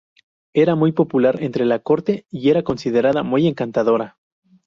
Era muy popular entre la corte y era considera muy encantadora.